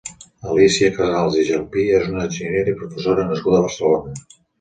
Alícia Casals i Gelpí és una enginyera i professora nascuda a Barcelona.